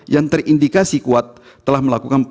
yang terindikasi kuat telah melakukan